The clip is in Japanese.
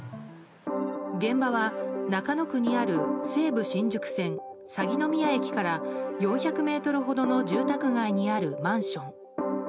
現場は中野区にある西武新宿線鷺ノ宮駅から４００ｍほどの住宅街にあるマンション。